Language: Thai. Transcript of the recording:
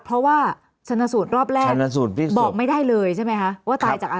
เพราะว่าชนสูตรรอบแรกบอกไม่ได้เลยใช่ไหมคะว่าตายจากอะไร